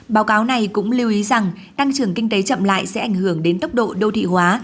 báo cáo này cũng lưu ý rằng tăng trưởng kinh tế chậm lại sẽ ảnh hưởng đến tốc độ đô thị hóa